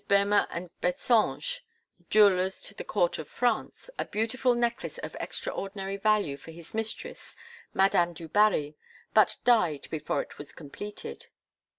Boemer et Bassange, jewellers to the Court of France, a beautiful necklace of extraordinary value for his mistress Madame du Barry, but died before it was completed.